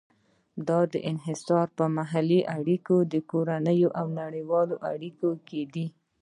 دا انحصار په محلي اړیکو، کورنیو او نړیوالو اړیکو کې دی.